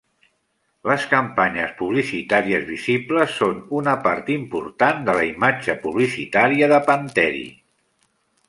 Les campanyes publicitàries visibles són una part important de la imatge publicitària de Pantteri.